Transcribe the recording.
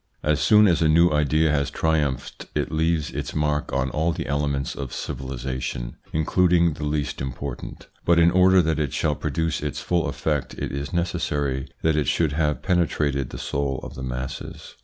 As soon as a new idea has triumphed, it leaves its mark on all the elements of civilisation, including the least important ; but in order that it shall produce its full effect it is necessary that it should have pene trated the soul of the masses.